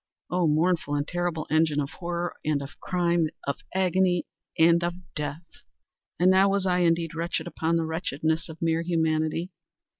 —oh, mournful and terrible engine of Horror and of Crime—of Agony and of Death! And now was I indeed wretched beyond the wretchedness of mere Humanity.